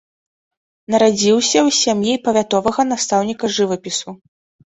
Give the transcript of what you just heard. Нарадзіўся ў сям'і павятовага настаўніка жывапісу.